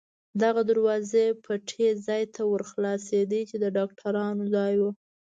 دغه دروازه پټۍ ځای ته ور خلاصېده، چې د ډاکټرانو ځای و.